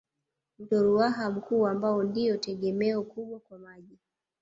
Mto Ruaha mkuu ambao ndio tegemeo kubwa kwa maji